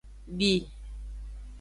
Di.